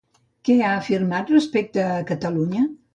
Què ha afirmat respecte a Catalunya?